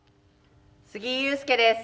杉井勇介です。